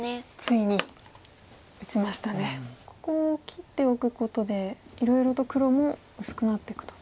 ここ切っておくことでいろいろと黒も薄くなっていくと。